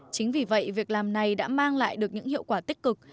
chính vì vậy việc làm này đã mang lại được những hiệu quả tích cực